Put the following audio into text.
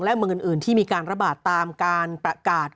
และเมืองอื่นที่มีการระบาดตามการประกาศ